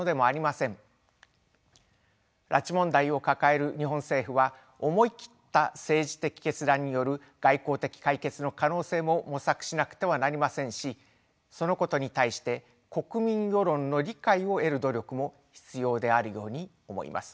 拉致問題を抱える日本政府は思い切った政治的決断による外交的解決の可能性も模索しなくてはなりませんしそのことに対して国民世論の理解を得る努力も必要であるように思います。